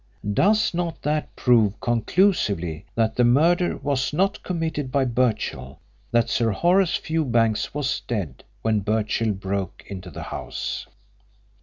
Does not that prove conclusively that the murder was not committed by Birchill, that Sir Horace Fewbanks was dead when Birchill broke into the house?